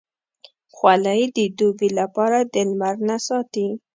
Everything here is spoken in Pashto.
خولۍ د دوبې لپاره د لمر نه ساتي.